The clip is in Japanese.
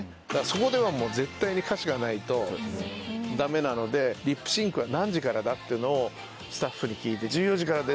そこでは絶対に歌詞がないとダメなのでリップシンクは何時からだっていうのをスタッフに聞いて。